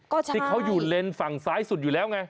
ก็ใช่ที่เขาอยู่เลนส์ฝั่งซ้ายสุดอยู่แล้วไง